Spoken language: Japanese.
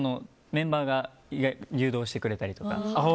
メンバーが誘導してくれたりとか。